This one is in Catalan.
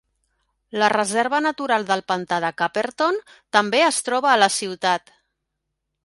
La reserva natural del pantà de Caperton també es troba a la ciutat.